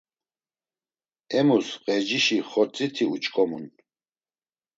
Emus ğecişi xortsiti uç̌ǩomun.